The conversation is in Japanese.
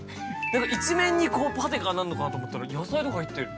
一面にパテがあるのかなと思ったら、野菜とか入ってる。